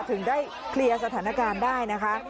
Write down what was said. ถึงได้เคลียร์สถานการณ์ได้นะคะ